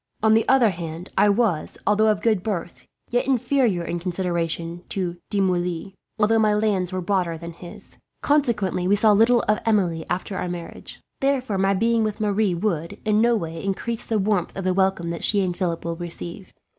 On the other hand, I was, although of good birth, yet inferior in consideration to De Moulins, although my lands were broader than his. Consequently we saw little of Emilie, after our marriage. Therefore my being with Marie would, in no way, increase the warmth of the welcome that she and Philip will receive.